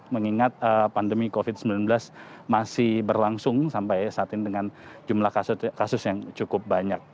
mengingat pandemi covid sembilan belas masih berlangsung sampai saat ini dengan jumlah kasus yang cukup banyak